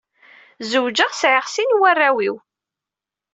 Zewǧeɣ, sɛiɣ sin warraw-iw.